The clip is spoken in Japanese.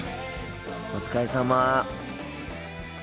お疲れさま。